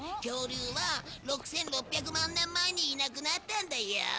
恐竜は６６００万年前にいなくなったんだよ。